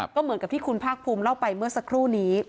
ก็เหมือนกับที่คุณภาคภูมิเล่าไปเมื่อสักครู่นี้